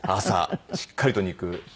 朝しっかりと肉。